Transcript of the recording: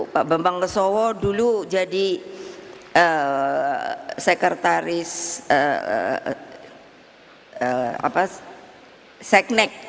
pak bambang lesowo dulu jadi sekretaris seknek